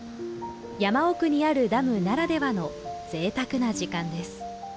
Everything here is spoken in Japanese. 山奥にあるダムならではのぜいたくな時間です。